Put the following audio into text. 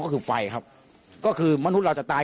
ก็คือไฟครับก็คือมนุษย์เราจะตาย